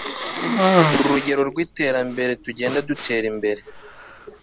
uru nurugero rwiterambere tugenda dutera imbere